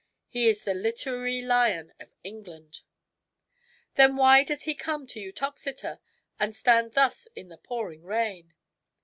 He is the liter ary lion of England." " Then why does he come to Uttoxeter and stand thus in the pouring rain